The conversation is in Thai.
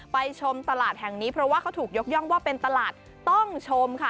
ชมตลาดแห่งนี้เพราะว่าเขาถูกยกย่องว่าเป็นตลาดต้องชมค่ะ